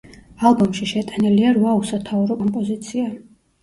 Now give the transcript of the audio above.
ალბომში შეტანილია რვა უსათაურო კომპოზიცია.